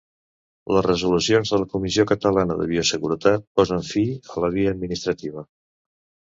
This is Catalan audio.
Les resolucions de la Comissió Catalana de Bioseguretat posen fi a la via administrativa.